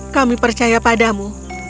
kami percaya padamu